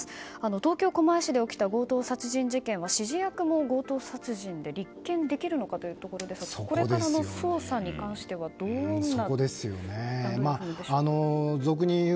東京・狛江市で起きた強盗殺人事件では指示役も強盗殺人で立件できるのかですがこれからの捜査に関してはどんな段取りでしょうか？